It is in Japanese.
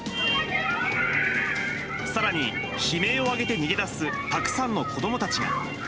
さらに、悲鳴を上げて逃げ出す、たくさんの子どもたちが。